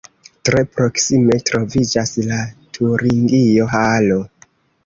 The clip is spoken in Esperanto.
Tre proksime troviĝas la Turingio-halo.